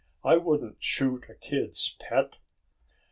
"I wouldn't shoot a kid's pet!"